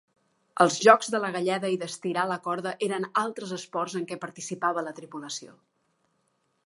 Els jocs de la galleda i d'estirar la corda eren altres esports en què participava la tripulació.